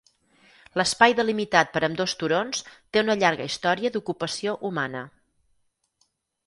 L'espai delimitat per ambdós turons té una llarga història d'ocupació humana.